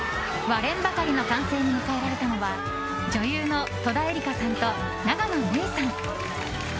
割れんばかりの歓声に迎えられたのは女優の戸田恵梨香さんと永野芽郁さん。